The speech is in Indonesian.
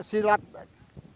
si siamang ini meraguk